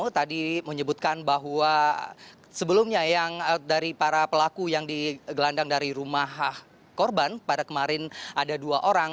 tadi menyebutkan bahwa sebelumnya yang dari para pelaku yang digelandang dari rumah korban pada kemarin ada dua orang